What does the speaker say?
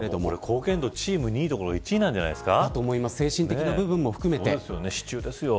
貢献度はチーム２位どころか１位じゃないですか。